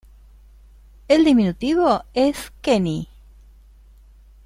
El diminutivo es "Kenny".